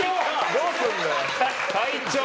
どうすんのよ？